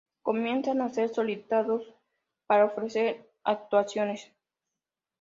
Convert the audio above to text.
Comienzan a ser solicitados para ofrecer actuaciones.